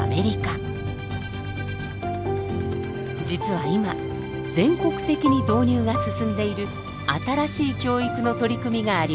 実は今全国的に導入が進んでいる新しい教育の取り組みがあります。